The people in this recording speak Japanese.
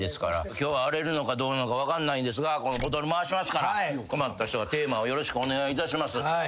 今日は荒れるのかどうなのか分かんないですがボトル回しますから止まった人はテーマをよろしくお願いします。